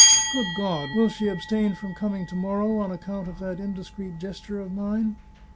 Good God! Will she abstain from coming to morrow on account of that indiscreet gesture of mine